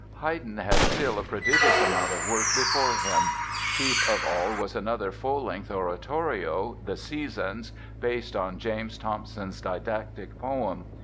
Haydn had still a prodigious amount of work before him. Chief of all was another full length oratorio, "The Seasons", based on James Thomson's didactic poem.